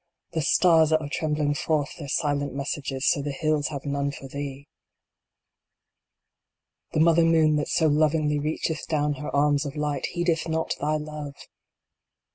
The stars that are trembling forth their silent messages to the hills have none for thee ! The mother moon that so lovingly reacheth down her arms of light heedeth not thy Love